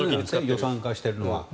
予算化しているのは。